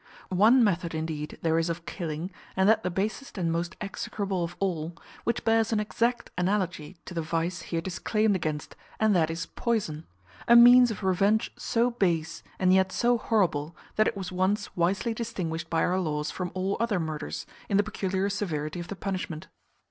One method, indeed, there is of killing, and that the basest and most execrable of all, which bears an exact analogy to the vice here disclaimed against, and that is poison: a means of revenge so base, and yet so horrible, that it was once wisely distinguished by our laws from all other murders, in the peculiar severity of the punishment.